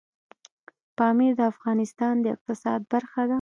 پامیر د افغانستان د اقتصاد برخه ده.